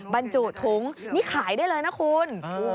บรรจุวินิอร์ถุงนี่ขายได้เลยนะคุณ